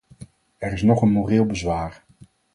Er is nog een moreel bezwaar.